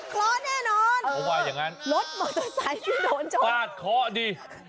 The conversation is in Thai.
ฟาดเคราะห์แน่นอนรถมอเตอร์ไซด์ที่โดนโชคฟาดเคราะห์ดิ